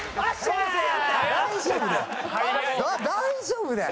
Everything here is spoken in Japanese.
大丈夫だよ！